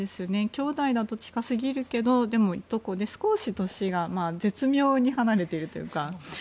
兄弟だと近すぎるけどでも、いとこで少し年が絶妙に離れているというか。